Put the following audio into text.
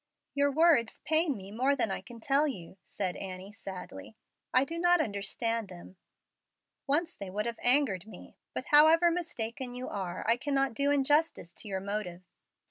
"Your words pain me more than I can tell you," said Annie, sadly. "I do not understand them. Once they would have angered me. But, however mistaken you are, I cannot do injustice to your motive.